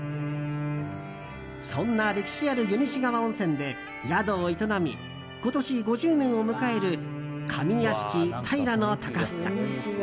そんな歴史ある湯西川温泉で宿を営み今年５０年を迎える上屋敷平の高房。